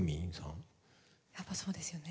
やっぱそうですよね。